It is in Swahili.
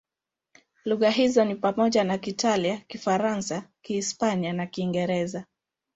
Lugha hizo ni pamoja na Kiitalia, Kifaransa, Kihispania na Kiingereza.